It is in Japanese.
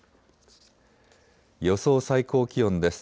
予想最高気温です。